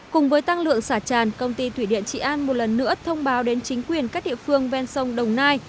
cùng với tăng lượng xả tràn công ty thủy điện trị an một lần nữa thông báo đến chính quyền các địa phương ven sông đồng nai